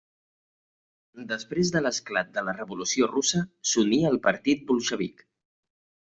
Després de l'esclat de la Revolució Russa, s'uní al Partit Bolxevic.